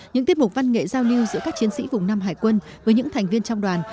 những tiết mục văn nghệ giao lưu giữa các chiến sĩ vùng năm hải quân với những thành viên trong đoàn